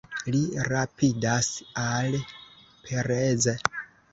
Li rapidas al Perez.